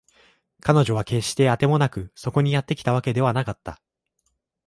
彼女は決してあてもなくそこにやってきたわけではなかった